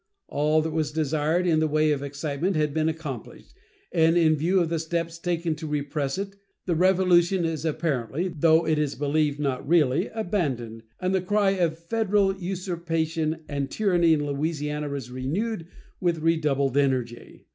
All that was desired in the way of excitement had been accomplished, and, in view of the steps taken to repress it, the revolution is apparently, though it is believed not really, abandoned, and the cry of Federal usurpation and tyranny in Louisiana was renewed with redoubled energy.